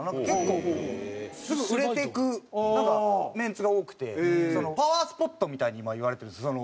結構すぐ売れていくなんかメンツが多くてパワースポットみたいに今いわれてるんです